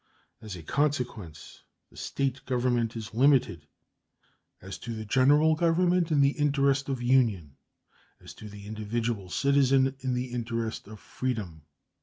As a consequence the State government is limited as to the General Government in the interest of union, as to the individual citizen in the interest of freedom.